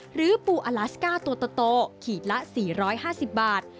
หรือปูอลาสก้าตัวโตขีดละ๔๕๐บาท